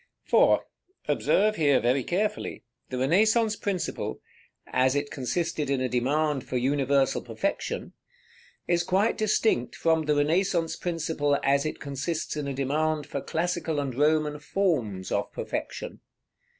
§ XVII. For, observe here very carefully, the Renaissance principle, as it consisted in a demand for universal perfection, is quite distinct from the Renaissance principle as it consists in a demand for classical and Roman forms of perfection.